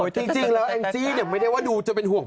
ทำไมไม่เอาออก